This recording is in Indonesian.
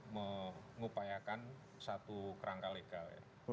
mengupayakan satu kerangka legal